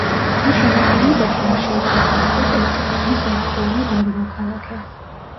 მის შემადგენლობაში არ შეიძლება იყოს ერთი ქვეყნის ერთდროულად ორი მოქალაქე.